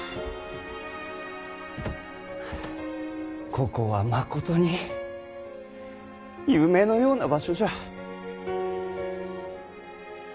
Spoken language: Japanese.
ここはまことに夢のような場所じゃ。